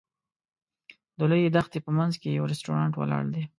د لویې دښتې په منځ کې یو رسټورانټ ولاړ دی.